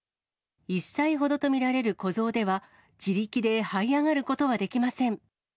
１歳ほどと見られる子ゾウでは、自力ではい上がることができません。